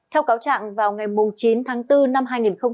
theo cáo trạng vào ngày chín tháng bốn năm hai nghìn hai mươi